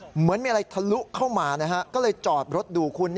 เหมือนมีอะไรทะลุเข้ามานะฮะก็เลยจอดรถดูคุณ